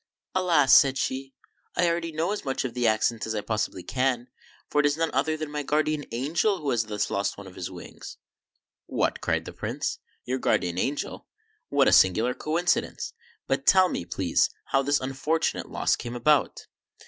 " Alas !" said she, " I already know as much of the accident as I possibly can; for it is none other than my Guardian Angel who has thus lost one of his wings." "What," cried the Prince, "your Guardian Angel? What a singular coincidence ! But tell me, please, how this unfortunate loss came about